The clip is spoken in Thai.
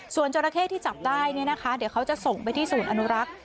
ส่วนจราเข้ที่จับได้เดี๋ยวเขาจะส่งไปสู่ศูนย์อนุรัคร